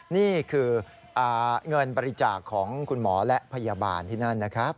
นี่คือเงินบริจาคของคุณหมอและพยาบาลที่นั่นนะครับ